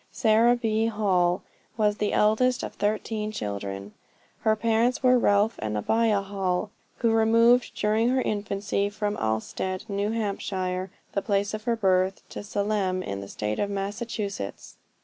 Sarah B. Hall was the eldest of thirteen children. Her parents were Ralph and Abiah Hall, who removed during her infancy from Alstead, New Hampshire, the place of her birth, to Salem, in the State of Massachusetts.